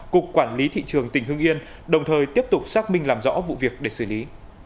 cục quản lý thị trường tỉnh hưng yên đồng thời tiếp tục xác minh làm rõ vụ việc để xử lý